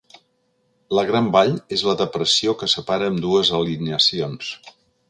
La Gran Vall és la depressió que separa ambdues alineacions.